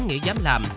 nghĩ dám làm